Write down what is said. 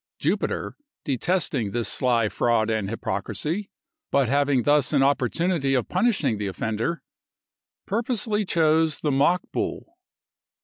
Jupiter, detesting this sly fraud and hypocrisy, but having thus an opportunity of punishing the offender, purposely chose the mock bull.